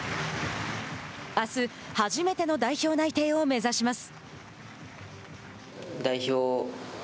あす、初めての代表内定を目指します。